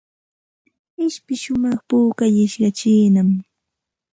Ishpi shumaq pukallishqa chiinam.